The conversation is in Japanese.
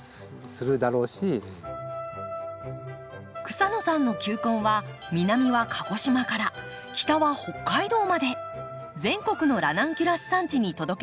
草野さんの球根は南は鹿児島から北は北海道まで全国のラナンキュラス産地に届けられています。